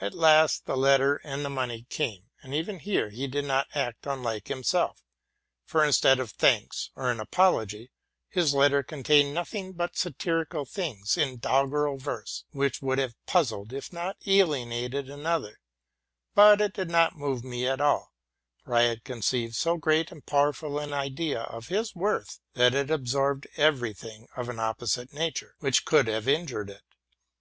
At last the letter and money came, and even here he did not act unlike himself: for, instead of thanks or an apology, his letter contained nothing but satirical things in doggerel verse, which would have puzzled, if not alienated, another; but it did not move me at all, for I had conceived so great and powerful an idea of his worth that it absorbed every thing of an opposite nature which could have injured it.